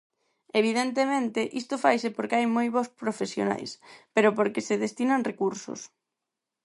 Evidentemente, isto faise porque hai moi bos profesionais, pero porque se destinan recursos.